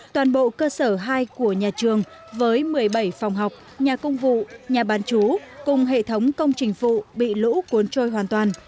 toàn bộ cơ sở hai của nhà trường với một mươi bảy phòng học nhà công vụ nhà bán chú cùng hệ thống công trình phụ bị lũ cuốn trôi hoàn toàn